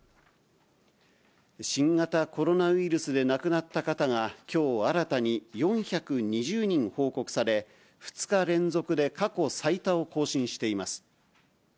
新型コロナウイルスで亡くなった方がきょう、新たに４２０人報告され、２日連続で過去最多を更新しています。